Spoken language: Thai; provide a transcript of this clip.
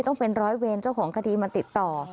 ต้องเป็นร้อยเวรเจ้าของคดีมาติดต่อ